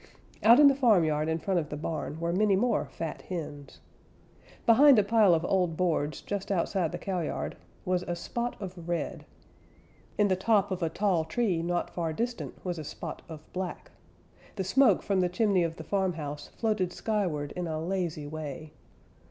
Out in the farmyard in front of the barn were many more fat hens. Behind a pile of old boards just outside the cowyard was a spot of red. In the top of a tall tree not far distant was a spot of black. The smoke from the chimney of the farmhouse floated skyward in a lazy way.